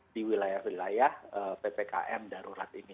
di wilayah wilayah ppkm darurat ini